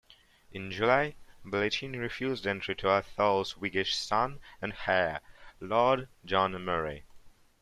In July Ballechin refused entry to Atholl's whiggish son and heir, Lord John Murray.